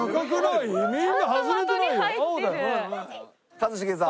一茂さん。